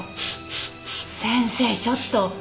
先生ちょっと！